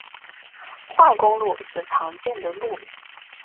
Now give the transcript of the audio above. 化工路是常见的路名。